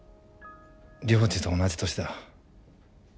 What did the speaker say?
涼二と同じ年だ。